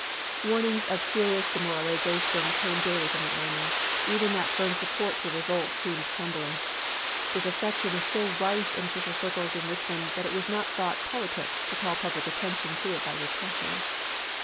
Warnings of serious de moralization came daily from the army ; even that firm support to the revolt seemed crumbling. Dis affection was so rife in official circles in Richmond that it was not thought politic to call public atten 154 ABRAHAM LINCOLN chap.vhi. tion to it by repression.